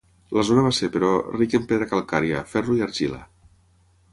La zona va ser, però, ric en pedra calcària, ferro i argila.